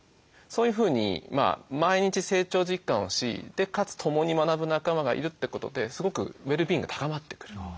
そういうふうに毎日成長実感をしかつ共に学ぶ仲間がいるってことですごくウェルビーイングが高まってくる。